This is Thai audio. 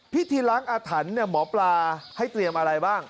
พิธีล้างอาถรรพ์หมอปลาให้เตรียมอะไรบ้าง